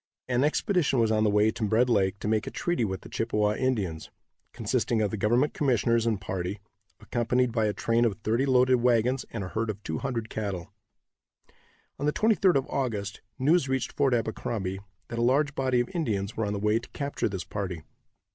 An expedition was on the way to Red lake to make a treaty with the Chippewa Indians, consisting of the government commissioners and party, accompanied by a train of thirty loaded wagons and a herd of two hundred cattle. On the 23d of August, news reached Fort Abercrombie that a large body of Indians were on the way to capture this party.